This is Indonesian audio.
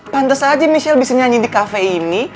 pantes aja michelle bisa nyanyi di cafe ini